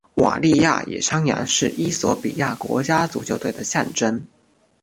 瓦利亚野山羊是衣索比亚国家足球队的象征。